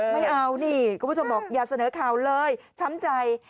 ไม่เอานี่คุณผู้ชมบอกอย่าเสนอข่าวเลยช้ำใจ